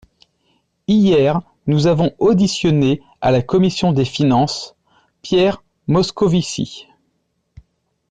Hier, nous avons auditionné à la commission des finances Pierre Moscovici.